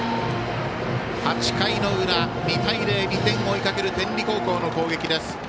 ８回の裏、２対０２点を追いかける天理高校の攻撃。